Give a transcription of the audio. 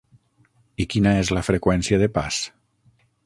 I quina és la freqüència de pas?